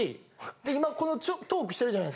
で今このトークしてるじゃないですか。